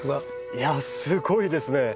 いやすごいですね。